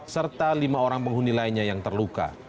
serta lima orang penghuni lainnya yang terluka